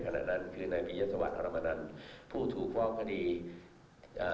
ขณะนั้นคือนายผียสวรรค์คลมนั้นผู้ถูกฟ้อคดีอ่า